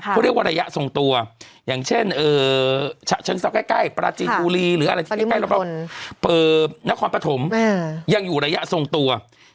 เขาเรียกว่าระยะทรงตัวอย่างเช่นฉะเชิงเซาใกล้ปราจีนบุรีหรืออะไรที่ใกล้แล้วก็นครปฐมยังอยู่ระยะทรงตัว